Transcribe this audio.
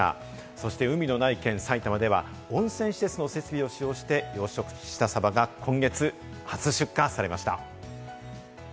そして海のない県、埼玉では温泉施設の設備を使用して養殖したサバが今月、初出荷されました。